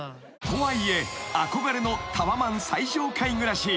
［とはいえ憧れのタワマン最上階暮らし］